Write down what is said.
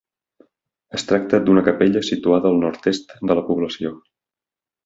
Es tracta d'una capella situada al nord-est de la població.